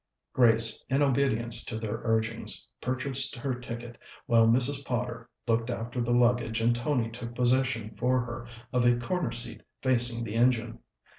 Grace, in obedience to their urgings, purchased her ticket, while Mrs. Potter looked after the luggage and Tony took possession for her of a corner seat facing the engine.